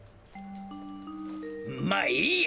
まあいいや。